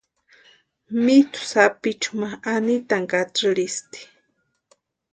Mitʼu sapichu ma Anitani katsïrhisti.